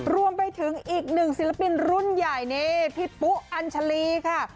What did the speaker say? รวมไปถึงอีกหนึ่งศิลปินรุ่นใหญ่นี่พี่ปุ๊อัญชาลีค่ะ